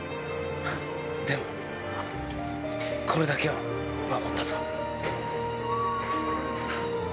でも、これだけは守ったぞ。